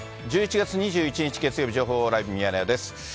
１１月２１日月曜日、情報ライブミヤネ屋です。